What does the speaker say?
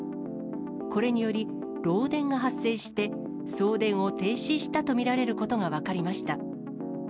これにより漏電が発生して、送電を停止したと見られることが分かりました。